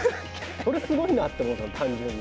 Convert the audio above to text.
それすごいなと思って、単純に。